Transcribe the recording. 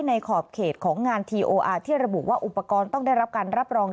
ขอบเขตของงานทีโออาร์ที่ระบุว่าอุปกรณ์ต้องได้รับการรับรอง